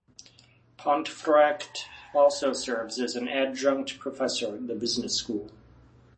Pontefract also serves as an adjunct professor at the business school.